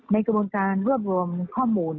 ในกระบวนการเบื้องรวมข้อมูล